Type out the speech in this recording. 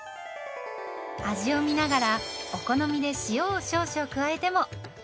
味を見ながらお好みで塩を少々加えても。